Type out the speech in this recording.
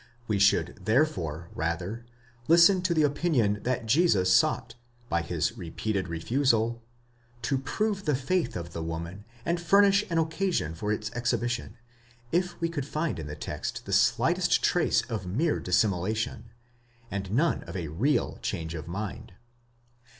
We should therefore rather listen to the opinion that Jesus sought, by his repeated refusal, to prove the faith of the woman, and furnish an occasion for its exhibition,* if we could find in the text the slightest trace of mere dissimulation ; and none of a real change of mind.